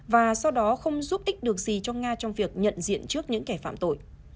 và sau đó không giúp ích được gì cho nga trong việc nhận diện trước những kẻ phạm tội